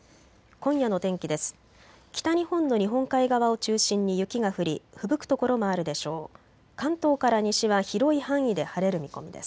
今夜の天気です。